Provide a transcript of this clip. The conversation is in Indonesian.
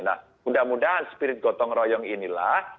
nah mudah mudahan spirit gotong royong inilah